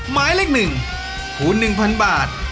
หมายเลข๑คูณ๑๐๐๐บาท